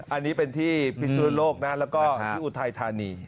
อันนี้เป็นที่พิศนุโลกนะแล้วก็ที่อุทัยธานี